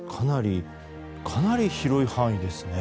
かなり広い範囲ですね。